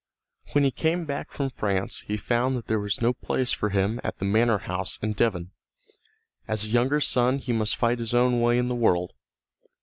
When he came back from France he found that there was no place for him at the manor house in Devon. As a younger son he must fight his own way in the world.